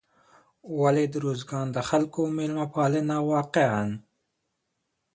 ولې د روزګان د خلکو میلمه پالنه واقعا